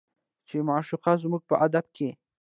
چې معشوقه زموږ په ادب کې